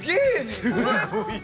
すごいね。